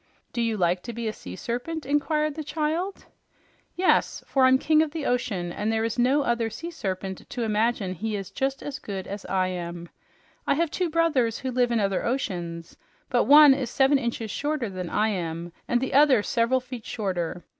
"Do you like to be a sea serpent?" inquired the child. "Yes, for I'm King of my Ocean, and there is no other sea serpent to imagine he is just as good as I am. I have two brothers who live in other oceans, but one is seven inches shorter than I am, and the other several feet shorter.